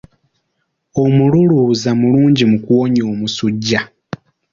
Omululuuza mulungi mu kuwonya omusujja.